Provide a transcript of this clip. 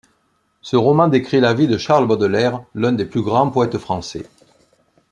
Ce roman décrit la vie de Charles Baudelaire, l'un des plus grands poètes français.